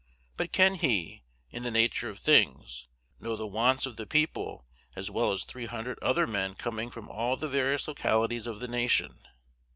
But can he, in the nature of things, know the wants of the people as well as three hundred other men coming from all the various localities of the nation?